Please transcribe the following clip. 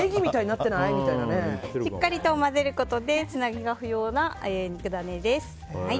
しっかり混ぜることでつなぎが不要な肉ダネです。